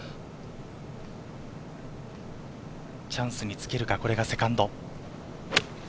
チャンスにつけるか、これがセカンド。